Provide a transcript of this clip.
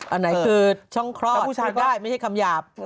อันไหนคือช่องเคราะห์ได้ไม่ใช่คำหยาบ